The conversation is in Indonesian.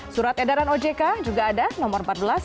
surat edaran ojk juga ada nomor empat belas